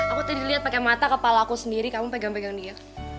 aku tadi lihat pakai mata kepala aku sendiri kamu pegang pegang dia